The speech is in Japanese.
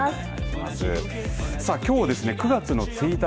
きょうはですね、９月の１日。